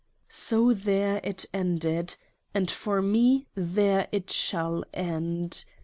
!' So there it ended : and for me there it shall end.